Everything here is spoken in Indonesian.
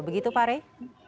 begitu pak rey